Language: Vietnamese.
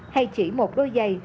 hay chỉ một đôi giày